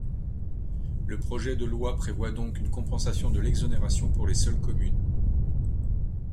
Le projet de loi prévoit donc une compensation de l’exonération pour les seules communes.